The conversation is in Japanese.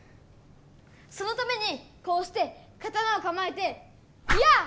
そのためにこうして刀をかまえてやあ！